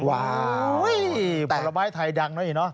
ว้าวผลไม้ไทยดังนะอีกเนอ